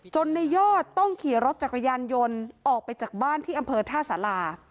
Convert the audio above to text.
ในยอดต้องขี่รถจักรยานยนต์ออกไปจากบ้านที่อำเภอท่าสารา